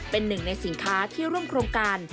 เป็นหนึ่งในสินค้าที่ร่วมโครงการ